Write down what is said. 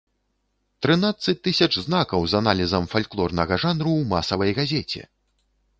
Трынаццаць тысяч знакаў з аналізам фальклорнага жанру ў масавай газеце!